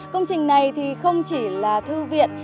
công trình này thì không chỉ là thư viện